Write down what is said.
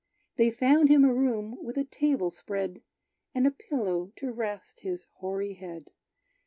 They found him a room with a table spread, And a pillow to rest his hoary head.